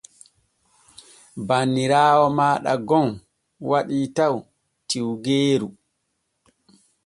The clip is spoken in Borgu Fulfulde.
Banniraawo maaɗa gon waɗi taw tiwgeeru.